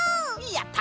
やった！